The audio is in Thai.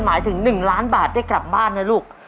หมายถึง๑ล้านบาทได้กลับบ้านนะลูก